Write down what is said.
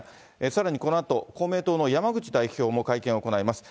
さらにこのあと、公明党の山口代表も会見を行います。